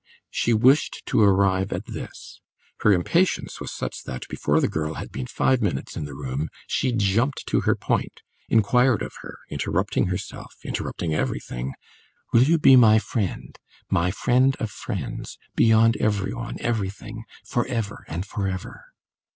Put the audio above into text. She wished to arrive at this; her impatience was such that before the girl had been five minutes in the room she jumped to her point inquired of her, interrupting herself, interrupting everything: "Will you be my friend, my friend of friends, beyond every one, everything, for ever and for ever?"